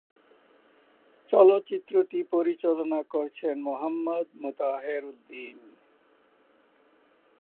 চলচ্চিত্রটি পরিচালনা করেছেন মোহাম্মদ মোতাহার উদ্দিন।